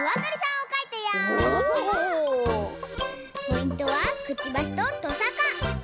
ポイントはくちばしととさか！